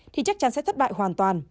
thì chắc chắn sẽ thất bại hoàn toàn